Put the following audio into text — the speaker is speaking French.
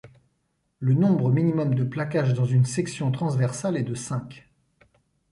Le nombre minimum de placages dans une section transversale est de cinq.